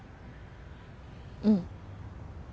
うん。